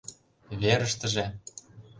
Верыштыже.